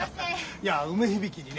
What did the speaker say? いや梅響にね